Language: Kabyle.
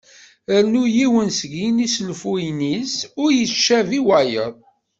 Rnu yiwen seg yisnulfuyen-is ur yettcabi wayeḍ.